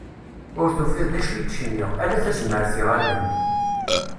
Ur tufiḍ d acu i d-cniɣ, ala tazmert iɣallen.